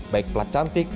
baik plat cantik